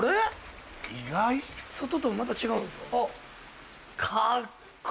外ともまた違うんですか？